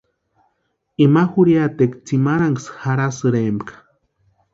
Ima jurhiatekwa tsimarhanksï jarhasïrempka.